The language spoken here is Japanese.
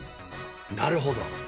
なるほど。